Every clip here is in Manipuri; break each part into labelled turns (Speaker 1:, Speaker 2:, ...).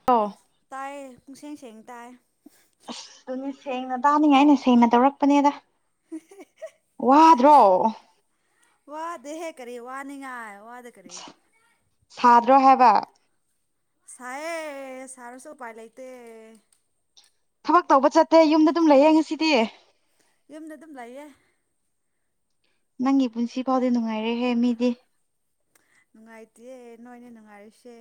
Speaker 1: [inaudible]
Speaker 2: ꯇꯥꯑꯦ ꯄꯨꯡꯁꯦꯡ ꯁꯦꯡ ꯇꯥꯑꯦ꯫
Speaker 1: ꯑꯁ ꯗꯨꯅꯦ ꯁꯦꯡꯅ ꯇꯥꯅꯤꯡꯉꯥꯏꯅꯦ ꯁꯦꯡꯅ ꯇꯧꯔꯛꯄꯅꯦꯗ꯫ ꯋꯥꯗ꯭ꯔꯣ꯫
Speaker 2: ꯋꯥꯗꯦ ꯍꯦ ꯀꯔꯤ ꯋꯥꯅꯤꯉꯥꯏ ꯋꯥꯗꯦ ꯀꯔꯤ꯫
Speaker 1: ꯁꯥꯗ꯭ꯔꯣ ꯍꯥꯏꯕ
Speaker 2: ꯁꯥꯏꯌꯦ ꯁꯔꯁꯨ ꯎꯄꯥꯏ ꯂꯩꯇꯦ
Speaker 1: ꯊꯕꯛ ꯇꯧꯕ ꯆꯠꯇꯦ ꯌꯨꯝꯗ ꯑꯗꯨꯝ ꯂꯩꯌꯦ ꯉꯁꯤꯗꯤ
Speaker 2: ꯌꯨꯝꯗ ꯑꯗꯨꯝ ꯂꯩꯌꯦ
Speaker 1: ꯅꯪꯒꯤ ꯄꯨꯟꯁꯤ ꯐꯥꯎꯗꯤ ꯅꯨꯡꯉꯥꯏꯔꯦꯍꯦ ꯃꯤꯗꯤ
Speaker 2: ꯅꯨꯡꯉꯥꯏꯇꯦꯌꯦ ꯅꯣꯏꯅꯦ ꯅꯨꯡꯉꯥꯏꯔꯤꯁꯦ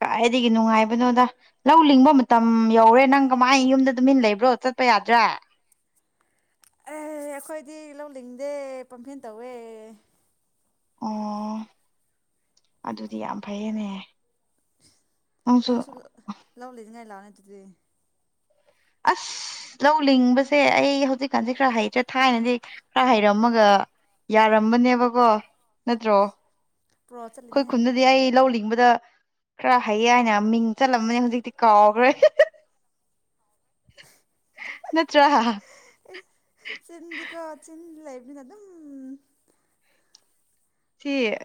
Speaker 1: ꯀꯥꯏꯗꯒꯤ ꯅꯨꯡꯉꯥꯏꯕꯅꯣꯗ ꯂꯧ ꯂꯤꯡꯕ ꯃꯇꯝ ꯌꯧꯔꯦ ꯅꯪ ꯀꯃꯥꯏ ꯌꯨꯝꯗ ꯇꯃꯤꯟ ꯂꯩꯕ꯭ꯔꯣ ꯆꯠꯄ ꯌꯥꯗ꯭ꯔꯥ
Speaker 2: ꯑꯦ ꯑꯩꯈꯣꯏꯗꯤ ꯂꯧꯂꯤꯡꯗꯦ ꯄꯝꯐꯦꯟ ꯇꯧꯋꯦ
Speaker 1: ꯑꯣ ꯑꯗꯨꯗꯤ ꯌꯥꯝ ꯐꯩꯌꯦꯅꯦ
Speaker 2: ꯅꯪꯁꯨ ꯂꯧꯎ ꯂꯩꯅꯤꯡꯉꯥꯏ ꯂꯥꯛꯑꯣꯅꯦ ꯑꯗꯨꯗꯤ
Speaker 1: ꯑꯁ ꯂꯧ ꯂꯤꯡꯕꯁꯦ ꯑꯩ ꯍꯧꯖꯤꯛꯀꯥꯟꯁꯦ ꯈꯔ ꯍꯩꯇ꯭ꯔꯦ ꯊꯥꯏꯅꯗꯤ ꯈꯔ ꯍꯩꯔꯝꯃꯒ ꯌꯥꯔꯝꯕꯅꯦꯕꯀꯣ ꯅꯠꯇ꯭ꯔꯣ
Speaker 2: ꯄ꯭ꯔꯣ
Speaker 1: ꯑꯩꯈꯣꯏ
Speaker 2: ꯆꯠꯂꯤꯅꯤ ꯍꯥꯏꯅꯦ
Speaker 1: ꯈꯨꯟꯗꯗꯤ
Speaker 2: ꯀꯔꯤꯔ
Speaker 1: ꯑꯩ ꯂꯧ ꯂꯤꯡꯕꯗ ꯈꯔ ꯍꯩꯌꯦ ꯍꯥꯏꯅ ꯃꯤꯡ ꯆꯠꯂꯝꯕꯅꯤ ꯍꯧꯖꯤꯛꯇꯤ ꯀꯥꯎꯈ꯭ꯔꯦ ꯅꯠꯇ꯭ꯔ
Speaker 2: ꯆꯤꯟꯗꯤꯀꯣ ꯆꯤꯟ ꯂꯩꯕꯅꯤꯅ ꯑꯗꯨꯝ
Speaker 1: ꯁꯤ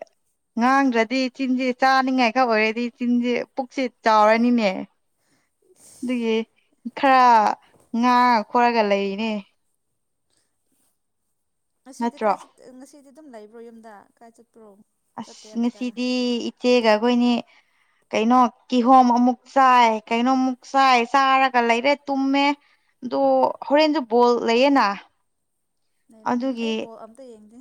Speaker 1: ꯉꯥꯡꯗ꯭ꯔꯗꯤ ꯆꯤꯟꯁꯦ ꯆꯥꯅꯤꯡꯉꯥꯏꯈꯛ ꯑꯣꯏꯔꯗꯤ ꯆꯤꯟꯁꯦ ꯄꯨꯛꯁꯦ ꯆꯥꯎꯔꯅꯤꯅꯦ ꯑꯗꯨꯒꯤ ꯈꯔ ꯉꯥꯡꯉ ꯈꯣꯠꯂꯒ ꯂꯩꯅꯦ
Speaker 2: ꯉꯁꯤꯗꯤ
Speaker 1: ꯅꯠꯇ꯭ꯔꯣ
Speaker 2: ꯀꯥꯏ ꯆ ꯉꯁꯤꯗꯤ ꯑꯗꯨꯝ ꯂꯩꯕ꯭ꯔꯣ ꯌꯨꯝꯗ ꯀꯥꯏ ꯆꯠꯄ꯭ꯔꯣ ꯆꯠꯇꯦ
Speaker 1: ꯑꯁ
Speaker 2: ꯑꯝꯇ
Speaker 1: ꯉꯁꯤꯗꯤ ꯏꯆꯦꯒ ꯑꯩꯈꯣꯏꯅꯤ ꯀꯩꯅꯣ ꯀꯤꯍꯣꯝ ꯑꯃꯨꯛ ꯆꯥꯏ ꯀꯩꯅꯣꯃꯨꯛ ꯆꯥꯏ ꯆꯥꯔꯒ ꯂꯩꯔꯦ ꯇꯨꯝꯃꯦ ꯑꯗꯣ ꯍꯣꯔꯦꯟꯁꯨ ꯕꯣꯜ ꯂꯩꯌꯦꯅ
Speaker 2: ꯂꯩꯔꯝꯅꯤ
Speaker 1: ꯑꯗꯨꯒꯤ
Speaker 2: ꯑꯩ ꯕꯣꯜ ꯑꯝꯇ ꯌꯦꯡꯗꯦ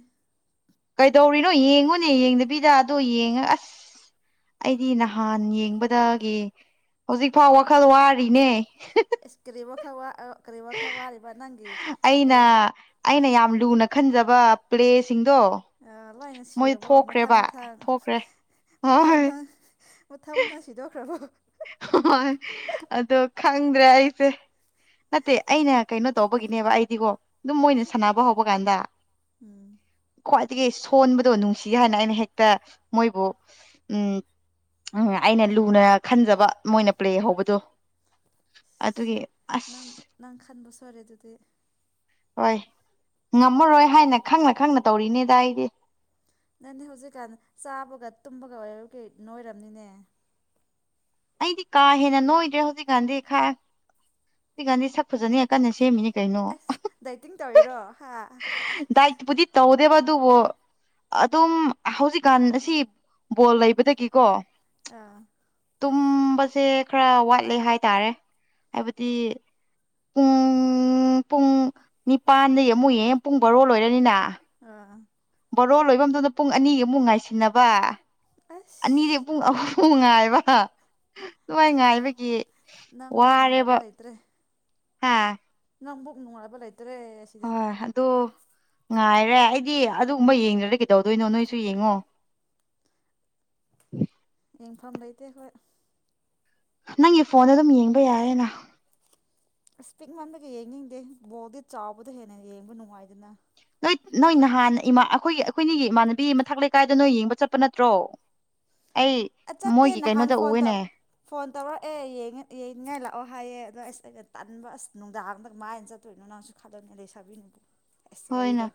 Speaker 1: ꯀꯩꯗꯧꯔꯤꯅꯣ ꯌꯦꯡꯉꯨꯅꯦ ꯌꯦꯡꯗꯕꯤꯗ ꯑꯗꯣ ꯌꯦꯡꯉ ꯑꯁ ꯑꯩꯗꯤ ꯅꯍꯥꯟ ꯌꯦꯡꯕꯗꯒꯤ ꯍꯧꯖꯤꯛꯐꯥꯎ ꯋꯥꯈꯜ ꯋꯥꯔꯤꯅꯦ
Speaker 2: ꯏꯁ ꯀꯔꯤ ꯋꯥꯈꯜ ꯋꯥ ꯑ ꯀꯔꯤ ꯋꯥꯈꯜ ꯋꯥꯔꯤꯕ ꯅꯪꯒꯤ
Speaker 1: ꯑꯩꯅ
Speaker 2: ꯑꯦ
Speaker 1: ꯑꯩꯅ ꯌꯥꯝ ꯂꯨꯅ ꯈꯟꯖꯕ ꯄ꯭ꯂꯦꯁꯤꯡꯗꯣ
Speaker 2: ꯑ ꯂꯣꯏꯅ
Speaker 1: ꯃꯣꯏ
Speaker 2: ꯁꯤꯔꯕꯣ ꯃꯊꯪ
Speaker 1: ꯊꯣꯛꯈ꯭ꯔꯦꯕ
Speaker 2: ꯃꯊꯪ
Speaker 1: ꯊꯣꯛꯈ꯭ꯔꯦ
Speaker 2: ꯃꯊꯪ
Speaker 1: ꯍꯣꯏ
Speaker 2: ꯃꯊꯪ ꯃꯊꯪ ꯃꯊꯪ ꯁꯤꯗꯣꯛꯈ꯭ꯔꯕ
Speaker 1: ꯍꯣꯏ ꯑꯗꯣ ꯈꯪꯗ꯭ꯔꯦ ꯑꯩꯁꯦ ꯅꯠꯇꯦ ꯑꯩꯅ ꯀꯩꯅꯣ ꯇꯧꯕꯒꯤꯅꯦꯕ ꯑꯩꯗꯤꯀꯣ ꯑꯗꯨꯝ ꯃꯣꯏꯅ ꯁꯥꯟꯅꯕ ꯍꯧꯕ ꯀꯥꯟꯗ
Speaker 2: ꯎꯝ
Speaker 1: ꯈ꯭ꯋꯥꯏꯗꯒꯤ ꯁꯣꯟꯕꯗꯣ ꯅꯨꯡꯁꯤꯌꯦ ꯍꯥꯏꯅ ꯑꯩꯅ ꯍꯦꯛꯇ ꯃꯣꯏꯕꯨ ꯎꯝ ꯎꯝ ꯑꯩꯅ ꯂꯨꯅ ꯈꯟꯖꯕ ꯃꯣꯏꯅ ꯄ꯭ꯂꯦ ꯍꯧꯕꯗꯣ
Speaker 2: ꯁꯤ
Speaker 1: ꯑꯗꯨꯒꯤ
Speaker 2: ꯅꯪ
Speaker 1: ꯑꯁ
Speaker 2: ꯅꯪ ꯈꯟꯕ ꯁꯣꯏꯔꯦ ꯑꯗꯨꯗꯤ
Speaker 1: ꯍꯣꯏ ꯉꯝꯃꯔꯣꯏ ꯍꯥꯏꯅ ꯈꯪꯅ ꯈꯪꯅ ꯇꯧꯔꯤꯅꯦꯗ ꯑꯩꯗꯤ
Speaker 2: ꯅꯪꯅꯦ ꯍꯧꯖꯤꯛꯀꯥꯟ ꯆꯥꯕꯒ ꯇꯨꯝꯕꯒ ꯑꯣꯏꯔ ꯀꯩ ꯅꯣꯏꯔꯕꯅꯤꯅꯦ
Speaker 1: ꯑꯩꯗꯤ ꯀꯥ ꯍꯦꯟꯅ ꯅꯣꯏꯗ꯭ꯔꯦ ꯍꯧꯖꯤꯛꯀꯥꯟꯗꯤ ꯈꯥ ꯁꯤꯒꯥꯟꯗꯤ ꯁꯛꯐꯖꯅꯤ ꯀꯥꯟꯅ ꯁꯦꯃꯤꯅꯤ
Speaker 2: ꯑꯁ ꯗꯥꯏꯇꯤꯡ ꯇꯧꯔꯤꯔꯣ ꯍꯥ
Speaker 1: ꯗꯥꯏꯇꯕꯨꯗꯤ ꯇꯧꯗꯦꯕ ꯑꯗꯨꯕꯣ ꯑꯗꯨꯝ ꯍꯧꯖꯤꯛꯀꯥꯟ ꯑꯁꯤ ꯕꯣꯜ ꯂꯩꯕꯗꯒꯤꯀꯣ
Speaker 2: ꯑꯥ
Speaker 1: ꯇꯨꯝꯕꯁꯦ ꯈꯔ ꯋꯥꯠꯂꯦ ꯍꯥꯏꯇꯥꯔꯦ ꯍꯥꯏꯕꯗꯤ ꯄꯨꯡ ꯄꯨꯡ ꯅꯤꯄꯥꯟꯗꯩꯩ ꯑꯃꯨꯛ ꯌꯦꯡ ꯄꯨꯡ ꯕꯥꯔꯣ ꯂꯣꯏꯔꯅꯤꯅ
Speaker 2: ꯑꯥ
Speaker 1: ꯕꯣꯔꯣ ꯂꯣꯏꯕ ꯃꯇꯝꯇꯗ ꯄꯨꯡ ꯑꯅꯤ ꯑꯃꯨꯛ ꯉꯥꯏꯁꯤꯟꯅꯕ
Speaker 2: ꯑꯁ
Speaker 1: ꯑꯅꯤꯗꯤ ꯄꯨꯡ ꯑꯍꯨꯝ ꯉꯥꯏꯕ ꯗꯨꯃꯥꯏ ꯉꯥꯏꯕꯒꯤ
Speaker 2: ꯅꯪꯃꯛ ꯅꯨꯡꯉꯥꯏꯕ
Speaker 1: ꯋꯥꯔꯦꯕ ꯍꯥ
Speaker 2: ꯅꯪꯕꯨꯛ ꯅꯨꯡꯉꯥꯏꯕ ꯂꯩꯇ꯭ꯔꯦ ꯑꯁꯤꯗ
Speaker 1: ꯍꯣꯏ ꯑꯗꯨ ꯉꯥꯏꯔꯦ ꯑꯩꯗꯤ ꯑꯗꯨꯒꯨꯝꯕ ꯌꯦꯡꯗ꯭ꯔꯗꯤ ꯀꯩꯗꯧꯗꯣꯏꯅꯣ ꯅꯣꯏꯁꯨ ꯌꯦꯡꯉꯣ
Speaker 2: ꯌꯦꯡꯐꯝ ꯂꯩꯇꯦ ꯍꯣꯏ
Speaker 1: ꯅꯪꯒꯤ ꯐꯣꯟꯗ ꯑꯗꯨꯝ ꯌꯦꯡꯕ ꯌꯥꯌꯦꯅ
Speaker 2: ꯑꯁ ꯄꯤꯛꯃꯟꯕꯒꯤ ꯌꯦꯡꯅꯤꯡꯗꯦ ꯕꯣꯜꯗꯤ ꯆꯥꯎꯕꯗ ꯍꯦꯟꯅ ꯌꯦꯡꯕ ꯅꯨꯡꯉꯥꯏꯗꯅ
Speaker 1: ꯅꯣꯏ ꯅꯣꯏ ꯅꯍꯥꯟ ꯏꯃꯥ ꯑꯈꯣꯏꯒꯤ ꯑꯈꯣꯏꯅꯤꯒꯤ ꯏꯃꯥꯟꯅꯕꯤ ꯃꯊꯛ ꯂꯩꯀꯥꯏꯗꯣ ꯅꯣꯏ ꯌꯦꯡꯕ ꯆꯠꯄ ꯅꯠꯇ꯭ꯔꯣ ꯑꯩ
Speaker 2: ꯆꯠꯇꯦ
Speaker 1: ꯃꯣꯏꯒꯤ
Speaker 2: ꯅꯍꯥꯟ
Speaker 1: ꯀꯩꯅꯣꯗ
Speaker 2: ꯐꯣꯟ ꯇꯧ
Speaker 1: ꯎꯋꯦꯅꯦ
Speaker 2: ꯐꯣꯟ ꯇꯧꯔꯛꯑꯦ ꯌꯦꯡꯉꯦ ꯌꯦꯡꯅꯤꯡꯉꯥꯏ ꯂꯥꯛꯑꯣ ꯍꯥꯏꯌꯦ ꯑꯗꯣ ꯑꯁ ꯑꯩꯩꯅ ꯇꯟꯕ ꯑꯁ ꯅꯨꯡꯗꯥꯡꯗ ꯀꯃꯥꯏꯅ ꯆꯠꯇꯣꯏꯅꯣ ꯅꯁꯨ ꯈꯂꯣꯅꯦ ꯂꯩꯁꯥꯕꯤꯅꯕꯨ ꯑꯁ
Speaker 1: ꯍꯣꯏꯅ
Speaker 2: ꯋꯥꯔꯤꯗꯣ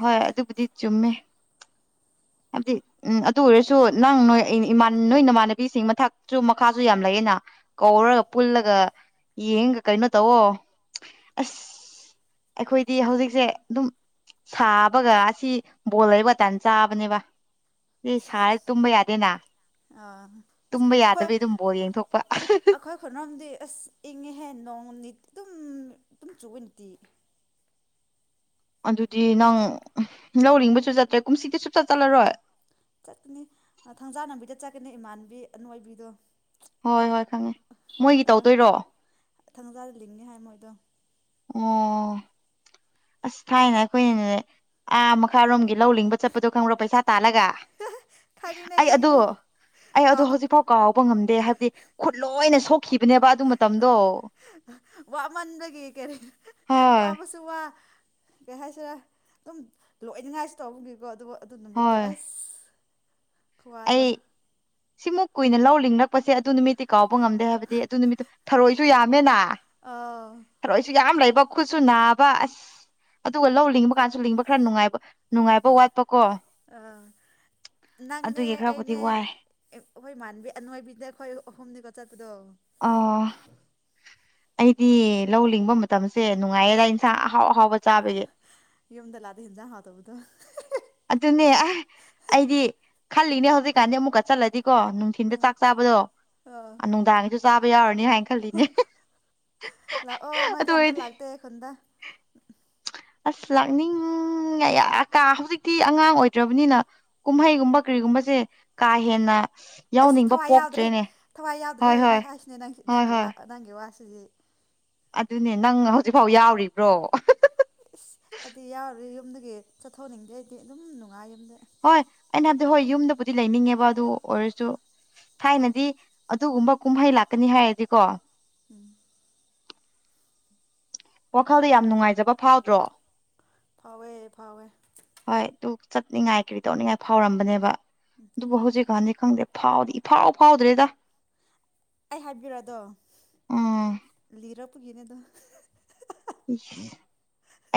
Speaker 1: ꯍꯣꯏ ꯑꯗꯨꯕꯨꯗꯤ ꯆꯨꯝꯃꯦ ꯍꯥꯏꯕꯗꯤ ꯎꯝ ꯑꯗꯨ ꯑꯣꯏꯔꯁꯨ ꯅꯪ ꯅꯣꯏ ꯏ ꯏꯃꯥꯟ ꯅꯣꯏ ꯅꯃꯥꯟꯅꯕꯤꯁꯤꯡ ꯃꯊꯛꯁꯨ ꯃꯈꯥꯁꯨ ꯌꯥꯝ ꯂꯩꯌꯦꯅ ꯀꯧꯔꯒ ꯄꯨꯜꯂꯒ ꯌꯦꯡꯒ ꯀꯩꯅꯣ ꯇꯧꯋꯣ ꯑꯁ ꯑꯩꯈꯣꯏꯗꯤ ꯍꯧꯖꯤꯛ ꯖꯦ ꯑꯗꯨꯝ ꯁꯥꯕꯒ ꯑꯁꯤ ꯕꯣꯜ ꯂꯩꯕꯒ ꯇꯥꯟ ꯆꯥꯕꯅꯦꯕ ꯔꯤ ꯁꯥꯏ ꯇꯨꯝꯕ ꯌꯥꯗꯦꯅꯥ
Speaker 2: ꯑꯥ
Speaker 1: ꯇꯨꯝꯕ ꯌꯥꯗꯕꯤ ꯑꯗꯨꯝ ꯕꯣꯜ ꯌꯦꯡꯊꯣꯛꯄ
Speaker 2: ꯈꯅꯝꯗꯤ ꯑꯁ ꯏꯪꯉꯦꯍꯦ ꯅꯣꯡ ꯅꯤꯠ ꯗꯨꯝ ꯇꯨꯝ ꯆꯨꯑꯦ ꯅꯨꯇꯤ
Speaker 1: ꯑꯗꯨꯗꯤ ꯅꯪ ꯂꯧ ꯔꯤꯡꯕꯁꯨ ꯆꯠꯇ꯭ꯔꯦ ꯀꯨꯝꯁꯤꯗꯤ ꯁꯨꯞꯆꯠ ꯆꯠꯂꯔꯣꯏ
Speaker 2: ꯆꯠꯀꯅꯤ [unintelligible] ꯆꯠꯀꯅꯤ ꯏꯃꯥꯟꯕꯤ ꯑꯅꯣꯏꯕꯤꯗꯣ
Speaker 1: ꯍꯣꯏ ꯍꯣꯏ ꯈꯪꯉꯦ ꯃꯣꯏꯒꯤ ꯇꯧꯗꯣꯏꯔꯣ
Speaker 2: ꯊꯪꯖꯥꯜ ꯂꯤꯡꯅꯤ ꯍꯥꯏ ꯃꯣꯏꯗꯣ
Speaker 1: ꯑꯣ ꯑꯁ ꯊꯥꯏꯅ ꯑꯩꯈꯣꯏꯅꯤꯅꯦ ꯑꯥ ꯃꯈꯥꯔꯣꯝꯒꯤ ꯂꯧ ꯂꯤꯡꯕ ꯆꯠꯄꯗꯣ ꯈꯪꯕ꯭ꯔꯣ ꯄꯩꯁꯥ ꯇꯥꯜꯂꯒ
Speaker 2: ꯈꯪꯉꯤꯅꯦ
Speaker 1: ꯑꯩ ꯑꯗꯨ
Speaker 2: ꯈꯪꯉꯤꯅꯦ
Speaker 1: ꯑꯩ ꯑꯗꯨ
Speaker 2: ꯀꯥꯎ
Speaker 1: ꯍꯧꯖꯤꯛ ꯐꯥꯎ ꯀꯥꯎꯕ ꯉꯝꯗꯦ ꯍꯥꯏꯕꯗꯤ ꯈꯨꯠ ꯂꯣꯏꯅ ꯁꯣꯛꯈꯤꯕꯅꯦꯕ ꯑꯗꯨ ꯃꯇꯝꯗꯣ
Speaker 2: ꯋꯥꯃꯟꯗꯒꯤ ꯀꯔꯤ
Speaker 1: ꯍꯣꯏ
Speaker 2: ꯋꯥꯕꯁꯨ ꯋꯥ ꯀꯩ ꯍꯥꯏꯁꯦꯔꯥ ꯑꯗꯨꯝ ꯂꯣꯏꯅꯤꯡꯉꯥꯏꯁꯨ ꯇꯧꯕꯒꯤꯀꯣ ꯑꯗꯨꯕꯨ ꯑꯗꯨ ꯅꯨꯃꯤꯠꯇꯣ
Speaker 1: ꯍꯣꯏ
Speaker 2: ꯑꯁ ꯈꯨꯋꯥꯗꯣ
Speaker 1: ꯑꯩ ꯁꯤꯃꯨꯛ ꯀꯨꯏꯅ ꯂꯧ ꯂꯤꯡꯂꯛꯄꯁꯦ ꯑꯗꯨ ꯅꯨꯃꯤꯠꯇꯤ ꯀꯥꯎꯕ ꯉꯝꯗꯦ ꯍꯥꯏꯕꯗꯤ ꯑꯗꯨ ꯅꯨꯃꯤꯠꯇꯨ ꯊꯔꯣꯏꯁꯨ ꯌꯥꯝꯃꯦꯅ
Speaker 2: ꯑꯥ
Speaker 1: ꯊꯔꯣꯏꯁꯨ ꯌꯥꯝ ꯂꯩꯕ ꯈꯨꯠꯁꯨ ꯅꯥꯕ ꯑꯁ ꯑꯗꯨꯒ ꯂꯧ ꯂꯤꯡꯕ ꯀꯥꯟꯁꯨ ꯂꯤꯡꯕ ꯈꯔ ꯅꯨꯡꯉꯥꯏꯕ ꯅꯨꯡꯉꯥꯏꯕ ꯋꯥꯠꯄꯀꯣ
Speaker 2: ꯑ ꯅꯪꯅꯦ
Speaker 1: ꯑꯗꯨꯒꯤ ꯈꯔꯕꯨꯗꯤ
Speaker 2: ꯑꯩꯅꯦ
Speaker 1: ꯋꯥꯏ
Speaker 2: ꯑꯦ ꯑꯈꯣꯏ ꯏꯃꯥꯟꯕꯤ ꯑꯅꯣꯏꯕꯤꯗ ꯑꯈꯣꯏ ꯑꯍꯨꯝꯅꯤꯀꯣ ꯆꯠꯄꯗꯣ
Speaker 1: ꯑꯥ ꯑꯩꯗꯤ ꯂꯧ ꯂꯤꯡꯕ ꯃꯇꯝꯁꯦ ꯅꯨꯡꯉꯥꯏꯌꯦꯗꯥ ꯏꯟꯁꯥꯡ ꯑꯍꯥꯎ ꯑꯍꯥꯎꯕ ꯆꯥꯕꯒꯤ
Speaker 2: ꯌꯨꯝꯗ ꯂꯥꯥꯗꯤ ꯍꯦꯟꯖ ꯍꯥꯥꯎꯇꯕꯗꯣ
Speaker 1: ꯑꯗꯨꯅꯦ ꯑ ꯑꯩꯗꯤ ꯈꯜꯂꯤꯅꯦ ꯍꯧꯖꯤꯛꯀꯥꯟꯗꯤ ꯑꯃꯨꯛꯀ ꯆꯠꯂꯗꯤꯀꯣ ꯊꯤꯟꯗ ꯆꯥꯛ ꯆꯥꯕꯗꯣ
Speaker 2: ꯑꯥ
Speaker 1: ꯅꯨꯡꯗꯥꯡꯒꯤꯁꯨ ꯆꯥꯕ ꯌꯥꯎꯔꯅꯤ ꯍꯥꯏꯅ ꯈꯜꯂꯤꯅꯦ
Speaker 2: ꯂꯥꯛꯑꯣ
Speaker 1: ꯑꯗꯨ
Speaker 2: ꯅꯣꯏꯗꯤ ꯑꯝꯇ
Speaker 1: ꯑꯣꯏꯔꯗꯤ
Speaker 2: ꯂꯥꯛꯇꯦ ꯈꯨꯟꯗ
Speaker 1: ꯑꯁ ꯂꯥꯛꯅꯤꯡ ꯑꯦ ꯀꯍꯧꯖꯤꯛ ꯇꯤ ꯑꯉꯥꯡ ꯑꯣꯏꯗ꯭ꯔꯕꯅꯤꯅ ꯀꯨꯝꯍꯩꯒꯨꯝꯕ ꯀꯔꯤꯒꯨꯝꯕꯁꯦ ꯀꯥ ꯍꯦꯟꯅ
Speaker 2: ꯑꯦꯁ
Speaker 1: ꯌꯥꯎꯅꯤꯡꯕ
Speaker 2: ꯊꯋꯥꯏ ꯌꯥꯎꯗ꯭ꯔꯦ
Speaker 1: ꯄꯣꯛꯇ꯭ꯔꯦꯅꯦ
Speaker 2: ꯊꯋꯥꯏ ꯌꯥꯎꯗ꯭ꯔꯦ
Speaker 1: ꯍꯣꯏ
Speaker 2: ꯍꯥꯏꯅꯦ
Speaker 1: ꯍꯣꯏ
Speaker 2: ꯍꯥꯏꯁꯤꯅꯦ
Speaker 1: ꯍꯣꯏ
Speaker 2: ꯅꯪꯒꯤ
Speaker 1: ꯍꯣꯏ
Speaker 2: ꯋꯥ ꯅꯪꯒꯤ ꯋꯥ ꯁꯤꯗꯤ
Speaker 1: ꯑꯗꯨꯅꯦ ꯅꯪ ꯍꯧꯖꯤꯛꯐꯥꯎ ꯌꯥꯎꯔꯤꯕ꯭ꯔꯣ
Speaker 2: ꯏꯁ ꯑꯩꯗꯤ ꯌꯥꯎꯔꯤ ꯌꯨꯝꯗꯒꯤ ꯆꯠꯊꯣꯛꯅꯤꯡꯗꯦ ꯑꯩꯗꯤ ꯑꯗꯨꯝ ꯅꯨꯡꯉꯥꯏ ꯌꯨꯝꯗ
Speaker 1: ꯍꯣꯏ ꯑꯩꯅ ꯍꯥꯏꯕꯗꯤ ꯍꯣꯏ ꯌꯨꯝꯗꯕꯨꯗꯤ ꯂꯩꯅꯤꯡꯉꯦꯕ ꯑꯗꯨ ꯑꯣꯏꯔꯁꯨ ꯊꯥꯏꯅꯗꯤ ꯑꯗꯨꯒꯨꯝꯕ ꯀꯨꯝꯍꯩ ꯂꯥꯛꯀꯅꯤ ꯍꯥꯏꯔꯗꯤꯀꯣ
Speaker 2: ꯎꯝ
Speaker 1: ꯋꯥꯈꯜꯗ ꯌꯥꯝ ꯅꯨꯡꯉꯥꯏꯖꯕ ꯐꯥꯎꯗ꯭ꯔꯣ
Speaker 2: ꯐꯥꯎꯋꯦ ꯐꯥꯎꯋꯦ
Speaker 1: ꯍꯣꯏ ꯑꯗꯨ ꯆꯠꯅꯤꯡꯉꯥꯏ ꯀꯔꯤ ꯇꯧꯅꯤꯡꯉꯥꯏ ꯐꯥꯎꯔꯝꯕꯅꯦꯕ ꯑꯗꯨꯕꯨ ꯍꯧꯖꯤꯛ ꯀꯥꯟꯗꯤ ꯈꯪꯗꯦ ꯐꯥꯎꯗꯤ ꯏꯐꯥꯎ ꯐꯥꯎꯗ꯭ꯔꯦꯗ
Speaker 2: ꯑꯩ ꯍꯥꯏꯕꯤꯔꯣꯗꯣ
Speaker 1: ꯎꯝ
Speaker 2: ꯂꯤꯔꯛꯄꯒꯤꯅꯦ ꯑꯗꯣ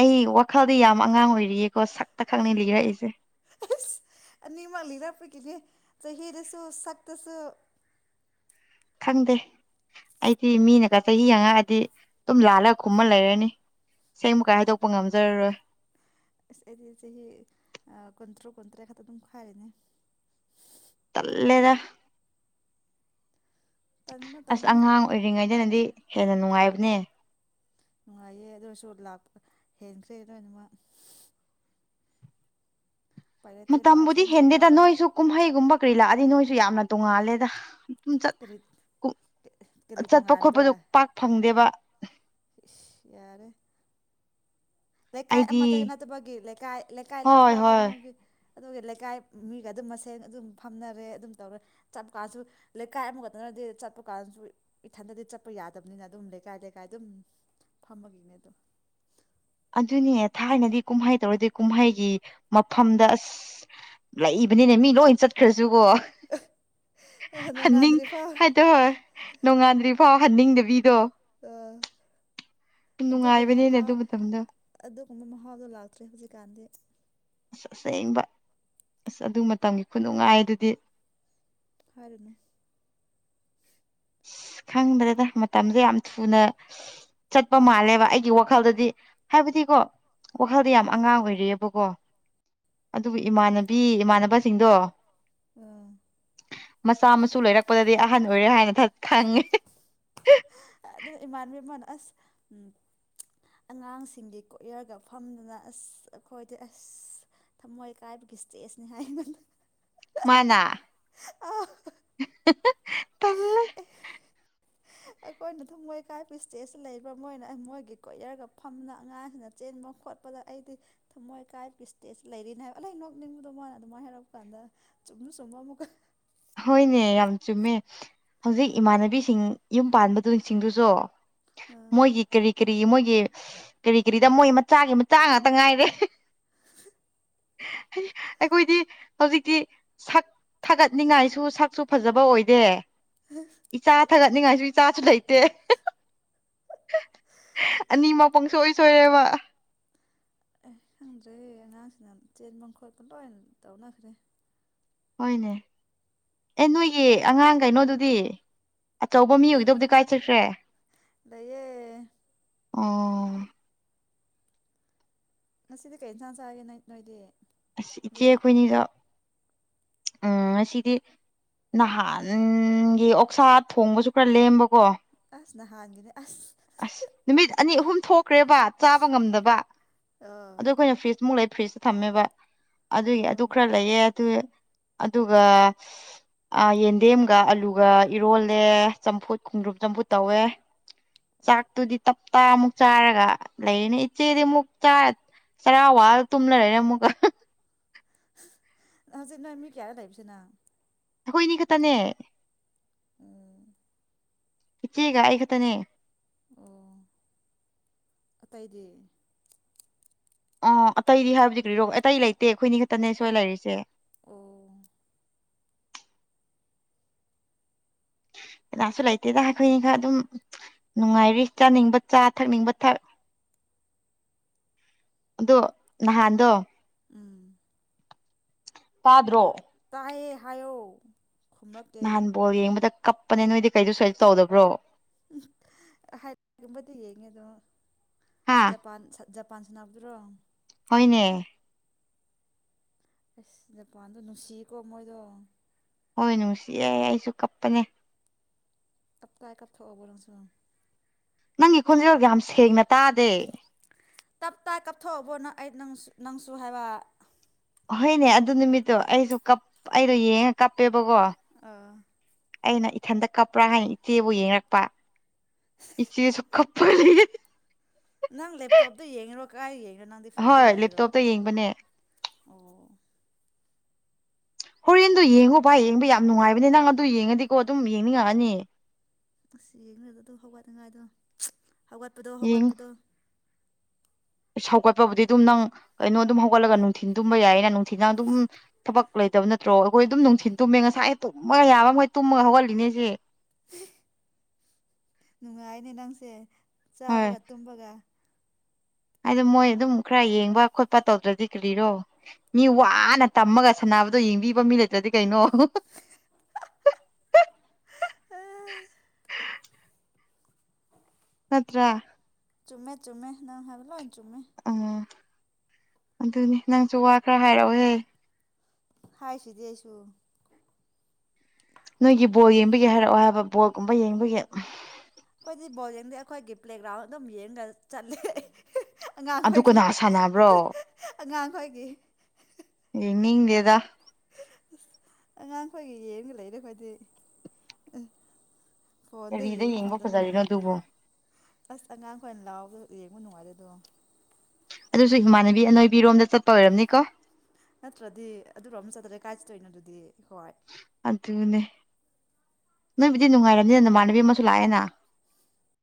Speaker 1: ꯑꯩ ꯋꯥꯈꯜꯗꯤ ꯌꯥꯝ ꯑꯉꯥꯡ ꯑꯣꯏꯔꯤꯌꯦꯀꯣ ꯁꯛꯇ ꯈꯛꯅ ꯂꯤꯈꯔꯛꯏꯁꯦ
Speaker 2: ꯑꯁ ꯑꯅꯤꯃꯛ ꯂꯤꯔꯛꯄꯒꯤꯅꯦ ꯆꯍꯤꯗꯁꯨ ꯁꯛꯇꯁꯨ
Speaker 1: ꯈꯪꯗꯦ ꯑꯩꯗꯤ ꯃꯤꯅꯒ ꯆꯍꯤ ꯍꯥꯉꯛꯑꯥꯗꯤ ꯑꯗꯨꯝ ꯂꯥꯜꯂꯒ ꯈꯨꯝꯃꯥ ꯂꯩꯔꯅꯤ ꯑꯁꯦꯡꯕꯀꯥꯏ ꯍꯥꯏꯗꯣꯛꯄ ꯉꯝꯖꯔꯔꯣꯏ
Speaker 2: ꯑꯁ ꯑꯩꯗꯤ ꯆꯍꯤ ꯀꯨꯟꯇꯔꯨꯛ ꯀꯨꯟꯇ꯭ꯔꯦꯠ ꯈꯛꯇ ꯑꯗꯨꯝ ꯍꯥꯏꯔꯤꯅꯦ
Speaker 1: ꯇꯜꯂꯦꯗ
Speaker 2: ꯇꯟꯒꯅꯨ
Speaker 1: ꯑꯁ
Speaker 2: ꯇꯟꯒꯅꯨ
Speaker 1: ꯑꯉꯥꯡ ꯑꯣꯏꯔꯤꯉꯩꯗꯅꯗꯤ ꯍꯦꯟꯅ ꯅꯨꯡꯉꯥꯏꯕꯅꯦ
Speaker 2: ꯅꯨꯡꯉꯥꯏꯌꯦ ꯑꯗꯨ ꯑꯣꯏꯁꯨ ꯂꯥꯛꯄ ꯍꯦꯟꯈ꯭ꯔꯦ ꯂꯣꯏꯅꯃꯛ ꯎꯄꯥꯏ ꯂꯩꯇꯦ ꯂꯥꯛꯑꯁꯨ
Speaker 1: ꯃꯇꯝꯕꯨꯗꯤ
Speaker 2: ꯑꯃꯨꯛꯀ
Speaker 1: ꯍꯦꯟꯗꯦꯗ
Speaker 2: ꯂꯥꯛꯑꯔꯣꯏ
Speaker 1: ꯅꯣꯏꯁꯨ ꯀꯨꯝꯍꯩꯒꯨꯝꯕ ꯀꯔꯤ ꯂꯛꯑꯗꯤ ꯅꯣꯏꯁꯨ ꯌꯥꯝꯅ ꯇꯣꯡꯉꯥꯜꯂꯦꯗ
Speaker 2: ꯀꯔꯤ ꯀꯔꯤ
Speaker 1: ꯆꯠꯄ
Speaker 2: ꯇꯣꯉꯥꯟꯕ
Speaker 1: ꯈꯣꯠꯄꯗꯣ ꯄꯥꯛ ꯐꯪꯗꯦꯕ
Speaker 2: ꯏꯁ ꯌꯥꯔꯦ ꯂꯩꯀꯥꯏ
Speaker 1: ꯑꯩꯗꯤ
Speaker 2: ꯑꯃꯗ ꯅꯠꯇꯕꯒꯤ ꯂꯩꯀꯥꯏ ꯂꯩꯀꯥꯏ ꯂꯥꯞ
Speaker 1: ꯍꯣꯏ
Speaker 2: ꯂꯥꯞ
Speaker 1: ꯍꯣꯏ
Speaker 2: ꯂꯥꯞꯅꯥꯕꯒꯤ ꯑꯗꯨꯒꯤ ꯂꯩꯀꯥꯏ ꯃꯤꯒ ꯑꯗꯨꯝ ꯃꯁꯦꯟ ꯑꯗꯨꯝ ꯐꯝꯅꯔꯦ ꯑꯗꯨꯝ ꯇꯧꯔꯦ ꯆꯠꯄ ꯀꯥꯟꯗꯁꯨ ꯂꯩꯀꯥꯏ ꯑꯃꯈꯛꯇꯅꯗꯤ ꯆꯠꯄ ꯀꯥꯟꯁꯨ ꯏꯊꯟꯗꯗꯤ ꯆꯠꯄ ꯌꯥꯗꯕꯅꯤꯅ ꯑꯗꯨꯝ ꯂꯩꯀꯥꯏ ꯂꯩꯀꯥꯏ ꯑꯗꯨꯝ ꯐꯝꯃꯒꯤꯅꯦ ꯑꯗꯨꯝ
Speaker 1: ꯑꯗꯨꯅꯦ ꯊꯥꯏꯅꯗꯤ ꯀꯨꯝꯍꯩ ꯇꯧꯔꯗꯤ ꯀꯨꯝꯍꯩꯒꯤ ꯃꯐꯝꯗ ꯑꯁ ꯂꯩꯕꯅꯤꯅꯦ ꯃꯤ ꯂꯣꯏ ꯆꯠꯈ꯭ꯔꯁꯨꯀꯣ
Speaker 2: ꯑꯗꯣ
Speaker 1: ꯍꯟꯅꯤꯡ
Speaker 2: ꯅꯣꯡꯉꯥꯟꯗ꯭ꯔꯤꯐꯥꯎ
Speaker 1: ꯍꯥꯏ ꯅꯣꯡꯉꯥꯟꯗ꯭ꯔꯤ ꯐꯥꯎ ꯍꯟꯅꯤꯡꯗꯕꯤꯗꯣ
Speaker 2: ꯑꯗꯨꯒꯤ
Speaker 1: ꯅꯨꯡꯉꯥꯏꯕꯅꯤꯅꯦ
Speaker 2: ꯃꯍꯥꯎ
Speaker 1: ꯑꯗꯨ ꯃꯇꯝꯗꯣ
Speaker 2: ꯑꯗꯨꯒꯨꯝꯕ ꯃꯍꯥꯎꯗꯣ ꯂꯥꯛꯇ꯭ꯔꯦ ꯍꯧꯖꯤꯛꯀꯥꯟꯗꯤ
Speaker 1: ꯑꯁ ꯑꯁꯦꯡꯕ ꯑꯁ ꯑꯗꯨ ꯃꯇꯝꯒꯤ ꯈꯨꯅꯨꯡꯉꯥꯏ ꯗꯨꯗꯤ
Speaker 2: ꯍꯥꯏꯔꯨꯅꯨ
Speaker 1: ꯑꯁ ꯈꯪꯗ꯭ꯔꯦꯗ ꯃꯇꯝꯖꯦꯌꯥꯝ ꯊꯨꯅ ꯆꯠꯄ ꯃꯥꯜꯂꯦꯕ ꯑꯩꯒꯤ ꯋꯥꯈꯜꯗꯗꯤ ꯍꯥꯏꯕꯗꯤꯀꯣ ꯋꯥꯈꯜꯗꯤ ꯌꯥꯝ ꯑꯉꯥꯡ ꯑꯣꯏꯔꯤꯑꯦꯕꯀꯣ ꯑꯗꯨꯕꯨ ꯏꯃꯥꯟꯅꯕꯤ ꯏꯃꯥꯟꯅꯕꯁꯤꯡꯗꯣ
Speaker 2: ꯑꯥ
Speaker 1: ꯃꯆꯥ ꯃꯁꯨ ꯂꯩꯔꯛꯄꯗꯗꯤ ꯑꯍꯟ ꯑꯣꯏꯔꯦ ꯍꯥꯏꯅ ꯈꯪꯉꯦ
Speaker 2: ꯑꯗꯨꯅꯦ ꯏꯃꯥꯟꯕꯤ ꯑꯃꯥꯅ ꯑꯁ ꯎꯝ ꯑꯉꯥꯡꯁꯤꯡꯗꯤ ꯀꯣꯏꯔꯒ ꯐꯝꯗꯨꯅ ꯑꯁ ꯑꯩꯈꯣꯏꯗꯤ ꯑꯁ ꯊꯝꯃꯣꯏ ꯀꯥꯏꯕꯒꯤ ꯏꯁꯇꯦꯖꯅꯤ ꯍꯥꯏꯅ ꯑꯩꯉꯣꯟꯗꯥ
Speaker 1: ꯃꯥꯅꯥ [unintelligible] ꯇꯜꯂꯦ꯫
Speaker 2: ꯑꯩꯈꯣꯏꯅ ꯊꯨꯝꯃꫭꯏ ꯀꯥꯏꯕ ꯏꯁ꯭ꯇꯦꯖ ꯂꯩꯕ ꯃꯣꯏꯅ ꯑ ꯃꯣꯏꯒꯤ ꯀꯣꯌꯔꯒ ꯐꯝꯅ ꯑꯉꯥꯡꯁꯤꯡꯅ ꯆꯦꯟꯕ ꯈꯣꯠ ꯄꯗ ꯑꯩꯗꯤ ꯊꯝꯃꯣꯏ ꯀꯥꯏꯕꯒꯤ ꯏꯁ꯭ꯇꯦꯖ ꯂꯩꯔꯤꯅꯦ ꯍꯥꯏꯕ ꯑꯗꯩꯩ ꯅꯣꯛꯅꯤꯡꯕꯗꯣ ꯃꯣꯏꯅ ꯑꯗꯨꯃꯥꯏꯅ ꯍꯥꯏꯔꯛꯄ ꯀꯥꯟꯗ꯫ ꯆꯨꯝꯁꯨ ꯆꯨꯝꯕ ꯃꯨꯛꯀ꯫
Speaker 1: ꯍꯣꯏꯅꯦ ꯌꯥꯝ ꯆꯨꯝꯃꯦ ꯍꯧꯖꯤꯛ ꯏꯃꯥꯟꯅꯕꯤꯁꯤꯡ ꯌꯨꯝ ꯄꯥꯟꯕꯗꯨꯁꯤꯡꯗꯨꯁꯨ꯫
Speaker 2: ꯑꯥ
Speaker 1: ꯃꯣꯏꯒꯤ ꯀꯔꯤ ꯀꯔꯤꯒꯤ ꯃꯣꯏꯒꯤ ꯀꯔꯤ ꯀꯔꯤꯗ ꯃꯣꯏ ꯃꯆꯥꯒꯤ ꯃꯆꯥ ꯉꯥꯛꯇ ꯉꯥꯏꯔꯦ꯫ [unintelligible] ꯑꯩꯈꯣꯏꯗꯤ ꯍꯧꯖꯤꯛꯇꯤ ꯁꯛ ꯊꯥꯒꯠ ꯅꯤꯡꯉꯥꯏꯁꯨ ꯁꯛꯁꯨ ꯐꯖꯕ ꯑꯣꯏꯗꯦ꯫
Speaker 2: [unintelligible]
Speaker 1: ꯏꯆꯥ ꯊꯥꯒꯠꯅꯤꯡꯉꯥꯏꯁꯨ ꯏꯆꯥꯁꯨ ꯂꯩꯇꯦ [unintelligible] ꯑꯅꯤꯃꯛ ꯄꯨꯡꯁꯣꯏ ꯁꯣꯏꯔꯦꯕ꯫
Speaker 2: ꯑꯦ ꯈꯪꯗ꯭ꯔꯦ ꯑꯉꯥꯡꯁꯤꯅ ꯆꯦꯟꯕ ꯈꯣꯠꯄ ꯂꯣꯏꯅ ꯇꯧꯅꯈ꯭ꯔꯦ꯫
Speaker 1: ꯍꯣꯏꯅꯦ ꯑꯦ ꯅꯣꯏꯒꯤ ꯑꯉꯥꯡ ꯀꯩꯅꯣꯗꯨꯗꯤ꯫ ꯑꯆꯧꯕ ꯃꯤ
Speaker 2: ꯂꯩꯌꯦ
Speaker 1: ꯑꯣꯏꯒꯗꯧꯕꯗꯤ ꯀꯥꯏ ꯆꯠꯈ꯭ꯔꯦ
Speaker 2: ꯂꯩꯌꯦ
Speaker 1: ꯑꯣ꯫
Speaker 2: ꯉꯁꯤꯗꯤ ꯀꯩ ꯌꯦꯟꯁꯥꯡ ꯆꯥꯒꯦ ꯅꯪ ꯅꯣꯏꯗꯤ꯫
Speaker 1: ꯑꯁ ꯏꯆꯦ
Speaker 2: ꯂꯣꯛ
Speaker 1: ꯑꯩꯈꯣꯏꯅꯤꯗꫭ ꯎ ꯉꯁꯤꯗꯤ꯫ ꯅꯍꯥꯟꯒꯤ ꯑꯣꯛꯁꯥ ꯊꯣꯡꯕꯁꯨ ꯈꯔ ꯂꯦꯝꯕꯀꯣ꯫
Speaker 2: ꯑꯁ ꯅꯍꯥꯟꯒꯤꯅꯦ ꯑꯁ꯫
Speaker 1: ꯑꯁ ꯅꯨꯃꯤꯠ ꯑꯅꯤ ꯑꯍꯨꯝ ꯊꯣꯛꯈ꯭ꯔꯦꯕ ꯆꯥꯕ ꯉꯝꯗꯕ꯫
Speaker 2: ꯑꯥ
Speaker 1: ꯑꯗꯨ ꯑꯈꯣꯏꯅ ꯐ꯭ꯔꯤꯖꯃꯨꯛ ꯂꯩ ꯐ꯭ꯔꯤꯖꯇ ꯊꯝꯃꯦꯕ ꯑꯗꯨꯒꯤ ꯑꯗꯨ
Speaker 2: ꯑꯣ
Speaker 1: ꯈꯔ ꯂꯩꯌꯦ ꯑꯗꯨ ꯑꯗꯨꯒ ꯑ ꯌꯦꯟꯗꯦꯝꯒ ꯑꯂꯨꯒ ꯏꯔꯣꯜꯂꯦ ꯆꯝꯐꯨꯠ ꯈꯣꯡꯗ꯭ꯔꯨꯨꯞ ꯆꯝꯐꯨꯠ ꯇꯧꯋꯦ꯫ ꯆꯥꯛꯇꯨꯗꯤ ꯇꯞꯇꯥ ꯑꯃꯨꯛ ꯆꯥꯔꯒ ꯂꯩꯔꯤꯅꯤ ꯏꯆꯦꯗꯤ ꯑꯃꯨꯛ ꯆꯥ ꯆꯔꯥ ꯋꯥꯔ ꯇꯨꯝ ꯂꯩꯔꯦꯅꯦ ꯑꯃꯨꯛꯀ [unintelligible]
Speaker 2: [unintelligible] ꯍꯧꯖꯤꯛ ꯅꯪ ꯃꯤ ꯀꯌꯥꯔ ꯂꯩꯕꯁꯤ ꯅꯪ꯫
Speaker 1: ꯑꯈꯣꯏꯅꯤ ꯈꯛꯇꯅꯦ꯫
Speaker 2: ꯑ
Speaker 1: ꯏꯆꯦꯒ ꯑꯩ ꯈꯛꯇꯅꯦ꯫
Speaker 2: ꯑꯣ ꯑꯇꯩꯗꯤ꯫
Speaker 1: ꯑꯣ ꯑꯇꯩꯗꯤ ꯍꯥꯏꯕꯗꯤ ꯀꯔꯤꯔꯣ ꯑꯇꯩ ꯂꯩꯇꯦ ꯑꯩꯈꯣꯏꯅꯤ ꯈꯛꯇꯅꯦ ꯁꯣꯏ ꯂꯩꯔꯤꯁꯦ꯫
Speaker 2: ꯑꯣ꯫
Speaker 1: ꯀꯅꯥꯁꯨ ꯂꯩꯇꯦꯗ ꯑꯩꯈꯣꯏꯅꯤ ꯈꯛ ꯑꯗꯨꯝ ꯅꯨꯡꯉꯥꯏꯔꯤ ꯀꯥ ꯆꯥꯅꯤꯡꯕ ꯆꯥ ꯊꯛꯅꯤꯡꯕ ꯊꯛ꯫ ꯑꯗꯣ ꯅꯍꯥꯟꯗꯣ꯫
Speaker 2: ꯎꯝ
Speaker 1: ꯇꯥꯗ꯭ꯔꯣ꯫
Speaker 2: ꯇꯥꯌꯦ ꯍꯥꯏꯌꫭ꯫
Speaker 1: ꯅꯍꯥꯟ ꯕꯣꯜ ꯌꯦꯡꯕꯗ ꯀꯞꯄꯅꯦ ꯅꯣꯏꯗꯤ ꯀꯩꯗ ꯁꫭꯏꯗ ꯇꯧꯗꯕ꯭ꯔꯣ꯫
Speaker 2: ꯍꯥꯏꯒꯨꯝꯕꯗꯤ ꯌꯦꯡꯉꯦ ꯑꯗꫭ
Speaker 1: ꯍꯥ
Speaker 2: ꯖꯄꯥꯟ ꯁꯠ ꯖꯄꯥꯟ ꯁꯅꯕꯗꯨꯔꯣ꯫
Speaker 1: ꯍꫭꯏꯅꯦ꯫
Speaker 2: ꯑꯁ ꯖꯄꯥꯟꯗꯣ ꯅꯨꯡꯁꯤꯀꯣ ꯃꯣꯏꯗꯣ꯫
Speaker 1: ꯍꯣꯏ ꯅꯨꯡꯁꯤꯌꯦ ꯑꯩꯁꯨ ꯀꯞꯄꯅꯦ꯫
Speaker 2: ꯇꯞ ꯇꯥꯏ ꯀꯞ ꯊꯣꯛꯣꯛꯑꯣꯕꯣ ꯅꯪꯁꯨ꯫
Speaker 1: ꯅꯪꯒꯤ ꯈꯣꯟꯖꯦꯜꯗ ꯌꯥꯝ ꯁꯦꯡꯅ ꯇꯥꯗꯦ꯫
Speaker 2: ꯇꯞ ꯇꯥꯏ ꯀꯥꯞꯊꯣꯛꯑꯕꯣ ꯅꯪ ꯑꯩ ꯅꯪꯁꯨ ꯅꯪꯁꯨ ꯍꯥꯏꯕ
Speaker 1: ꯍꯣꯏꯅꯦ ꯑꯗꯨ ꯅꯨꯃꯤꯠꯇꯣ ꯑꯩꯁꯨ ꯀꯞ ꯑꯩꯗꯣ ꯌꯦꯡꯉ ꯀꯞꯄꯦꯕꯀꯣ
Speaker 2: ꯑꯥ
Speaker 1: ꯑꯩꯅ ꯏꯊꯟꯇ ꯀꯞꯄ꯭ꯔꯥ ꯍꯥꯏꯅ ꯏꯆꯦꯕꯨ ꯌꯦꯡꯉꯛꯄ ꯏꯆꯦꯁꯨ ꯀꯞꯄꯂꯤ
Speaker 2: ꯅꯪ ꯂꯦꯞꯇꯣꯞꯇ ꯌꯦꯡꯉꯤꯔꯣ ꯀꯥꯏ ꯌꯦꯡꯉꯔꯣ ꯅꯪꯗꯤ ꯐꯣꯟꯗ
Speaker 1: ꯍꯣꯏ
Speaker 2: ꯌꯦꯡꯉꯔꯣ
Speaker 1: ꯂꯦꯞꯇꯣꯞꯇ ꯌꯦꯡꯕꯅꯦ
Speaker 2: ꯑꯣ
Speaker 1: ꯍꯣꯔꯦꯟꯗꯨ ꯌꯦꯡꯉꯣ ꯚꯥꯏ ꯌꯦꯡꯕ ꯌꯥꯝ ꯅꯨꯡꯉꯥꯏꯕꯅꯦ ꯅꯪ ꯑꯗꯨ ꯌꯦꯡꯉꯗꯤꯀꯣ ꯑꯗꯨꯝ ꯌꯦꯡꯅꯤꯡꯉꯛꯑꯅꯤ
Speaker 2: ꯉꯁꯤ ꯌꯦꯡꯔꯒꯥ ꯑꯗꯨ ꯍꯧꯒꯠꯅꯤꯡꯉꯥꯏꯗꯣ ꯍꯧꯒꯠꯄꯗꯣ ꯍꯧꯒꯠꯄꯗꯣ
Speaker 1: ꯁꯧꯒꯠꯄꯕꯨꯗꯤ ꯑꯗꯨꯝ ꯅꯪ ꯀꯩꯅꯣ ꯑꯗꯨꯝ ꯍꯧꯒꯠꯂꯒ ꯅꯨꯡꯊꯤꯟ ꯇꯨꯝꯕ ꯌꯥꯏꯌꯦꯅ ꯅꯨꯡꯊꯤꯟꯗꯪ ꯑꯗꯨꯝ ꯊꯕꯛ ꯂꯩꯇꯕ ꯅꯠꯇ꯭ꯔꯣ ꯑꯩꯈꯣꯏ ꯑꯗꯨꯝ ꯅꯨꯡꯊꯤꯟ ꯇꯨꯝꯃꯦ ꯉꯁꯥꯏ ꯇꯨꯝꯃꯒ ꯌꯥꯕ ꯃꯣꯏ ꯇꯨꯝꯃꯒ ꯍꯧꯒꯠꯂꯤꯅꯦꯁꯦ
Speaker 2: ꯎ ꯅꯨꯡꯉꯥꯏꯅꯦ ꯅꯪꯁꯦ ꯆꯥꯕꯒ ꯇꯨꯝꯕꯒ
Speaker 1: ꯍꯥꯏꯗ ꯃꯣꯏ ꯑꯗꯨꯝ ꯈꯔ ꯌꯦꯡꯕ ꯈꯣꯠꯄ ꯇꯧꯗ꯭ꯔꯗꯤ ꯀꯔꯤꯔꯣ ꯃꯤ ꯋꯥꯅ ꯇꯝꯃꯒ ꯁꯥꯟꯅꯕꯗꯣ ꯌꯦꯡꯕꯤꯕ ꯃꯤ ꯂꯩꯇ꯭ꯔꯗꯤ ꯀꯩꯅꯣ ꯅꯥꯠꯇ꯭ꯔ
Speaker 2: ꯆꯨꯝꯃꯦ ꯆꯨꯝꯃꯦ ꯅꯪ ꯍꯥꯏꯕ ꯂꯣꯏꯟ ꯆꯨꯝꯃꯦ
Speaker 1: ꯎꯝ ꯑꯗꯨꯅꯤ ꯅꯪꯁꯨ ꯋꯥ ꯈꯔ ꯍꯥꯏꯔꯛꯑꯣꯍꯦ
Speaker 2: ꯍꯥꯏꯁꯤꯗꯤ ꯑꯩꯁꯨ
Speaker 1: ꯅꯣꯏꯒꯤ ꯕꯣꯜ ꯌꯦꯡꯕꯒꯤ ꯍꯥꯏꯔꯛꯑꯣ ꯍꯥꯏꯕ ꯕꯣꯜꯒꯨꯝꯕ ꯌꯦꯡꯕꯒꯤ
Speaker 2: ꯑꯩꯈꯣꯏꯗꯤ ꯕꯣꯜ ꯌꯦꯡꯗꯦ ꯑꯩꯈꯣꯏꯒꯤ ꯄ꯭ꯂꯦꯒ꯭ꯔꯥꯎꯟ ꯑꯗꯨꯝ ꯌꯦꯡꯒ ꯆꯠꯂꯦ
Speaker 1: ꯑꯗꯨ
Speaker 2: ꯑꯉꯥꯡꯈꯣꯏꯒꯤ
Speaker 1: ꯀꯅꯥ ꯁꯥꯟꯅꯕ꯭ꯔꯣ
Speaker 2: ꯑꯉꯥꯡꯈꯣꯏꯒꯤ
Speaker 1: ꯌꯦꯡ ꯅꯤꯡꯗꯦꯗ
Speaker 2: ꯑꯉꯥꯡ ꯑꯈꯣꯏꯒꯤ ꯌꯦꯟꯒ ꯂꯩꯔꯦ ꯈꯣꯏꯗꯤ ꯑ ꯐꯣꯟꯗ
Speaker 1: ꯀꯔꯤꯗ
Speaker 2: ꯌꯦꯡꯕ ꯐꯪꯗꯝꯅꯤꯅ
Speaker 1: ꯐꯖꯔꯤꯅꯣ ꯑꯗꯨꯕꯨ
Speaker 2: ꯑꯁ ꯑꯉꯥꯡꯈꯣꯏꯅ ꯂꯥꯎꯕꯗꯣ ꯌꯦꯡꯕ ꯅꯨꯡꯉꯥꯏꯔꯦ ꯑꯗꯣ
Speaker 1: ꯑꯗꯨꯁꯨ ꯏꯃꯥꯟꯅꯕꯤ ꯑꯅꯣꯏꯕꯤꯔꯣꯝꯗ ꯆꯠꯄ ꯑꯣꯏꯔꯝꯅꯤꯀꯣ
Speaker 2: ꯅꯠꯇ꯭ꯔꯗꯤ ꯑꯗꯨꯔꯣꯝ ꯆꯠꯇ꯭ꯔ ꯀꯥꯏ ꯆꯠꯇꯣꯏꯅꯣ ꯑꯗꯨꯗꯤ ꯍꯣꯏ
Speaker 1: ꯑꯗꯨꯅꯦ ꯅꯣꯏꯕꯨꯗꯤ ꯅꯨꯡꯉꯥꯏꯔꯝꯅꯤꯅ ꯅꯃꯥꯟꯅꯕꯤ ꯑꯃꯁꯨ ꯂꯥꯛꯑꯦꯅ